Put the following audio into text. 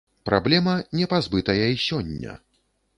Праблема, не пазбытая і сёння.